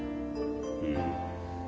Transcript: うん。